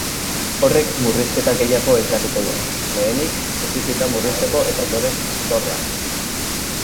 Horrek murrizketa gehiago ekarriko du, lehenenik defizita murrizteko eta ondoren zorra.